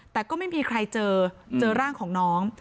แต่ก็ไม่มีใครเจอเจอร่างของน้อง